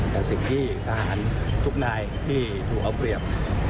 แต่สิ่งที่ทหารทุกนายที่ถูกเอาเปรียบ